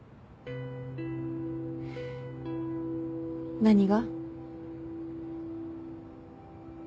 何が？